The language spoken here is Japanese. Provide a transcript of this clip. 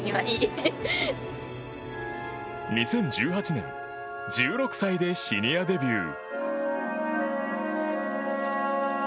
２０１８年１６歳でシニアデビュー。